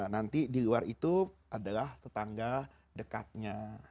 nanti di luar itu adalah tetangga dekatnya